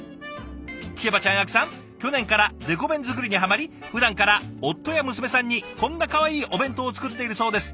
聞けばちゃんあきさん去年からデコ弁作りにはまりふだんから夫や娘さんにこんなかわいいお弁当を作っているそうです。